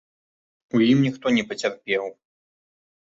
У ім ніхто не пацярпеў.